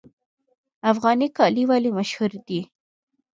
افغاني کالي ولې مشهور دي؟